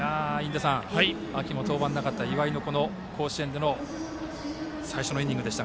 秋も登板のなかった岩井の甲子園での最初のイニング。